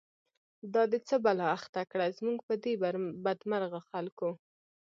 دا دی څه بلا اخته کړه، زمونږ په دی بد مرغوخلکو